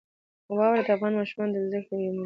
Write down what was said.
واوره د افغان ماشومانو د زده کړې یوه موضوع ده.